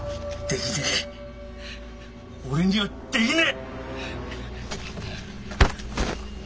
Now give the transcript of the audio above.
できねえ俺にはできねえ！